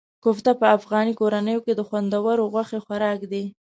کوفته په افغاني کورنیو کې د خوندورو غوښې خوراک دی.